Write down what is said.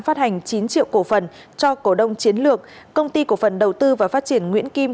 phát hành chín triệu cổ phần cho cổ đông chiến lược công ty cổ phần đầu tư và phát triển nguyễn kim